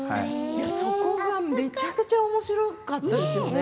そこが、めちゃくちゃおもしろかったですよね。